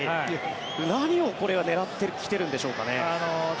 何をこれは狙ってきてるんでしょうかね。